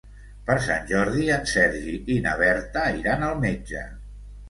Per Sant Jordi en Sergi i na Berta iran al metge.